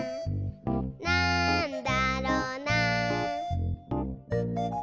「なんだろな？」